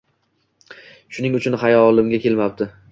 Shuning uchun ular xayolimga kelmabti